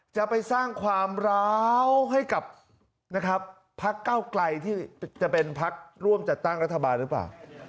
จะไปสร้างความร้าวให้กับนะครับพักเก้าไกลที่จะเป็นพักร่วมจัดตั้งรัฐบาลหรือเปล่า